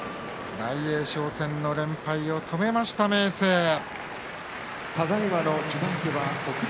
大栄翔戦の連敗を止めました明生です。